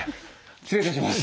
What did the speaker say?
失礼いたします。